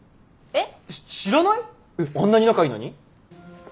えっあんなに仲いいのに？